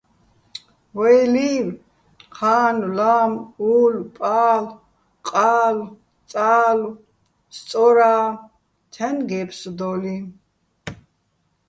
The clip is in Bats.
ვაჲ ლი́ვ: ჴანო̆, ლამო̆, ულო̆, პალო̆, ყალო̆, წალო, სწორა, ცჰ̦აჲნი̆ გე́ფსუდოლიჼ.